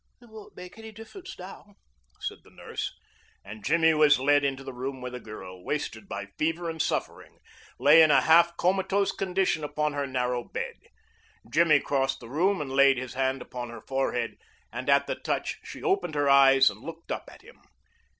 "It won't make any difference now," said the nurse, and Jimmy was led into the room where the girl, wasted by fever and suffering, lay in a half comatose condition upon her narrow bed. Jimmy crossed the room and laid his hand upon her forehead and at the touch she opened her eyes and looked up at him.